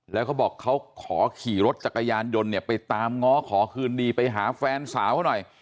แล้วเขาบอกเขาขอขี่รถจักรยานยนต์เนี่ยไปตามง้อขอคืนดีไปหาแฟนสาวเขาหน่อย